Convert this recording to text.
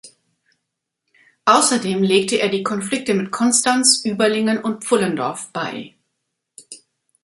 Außerdem legte er die Konflikte mit Konstanz, Überlingen und Pfullendorf bei.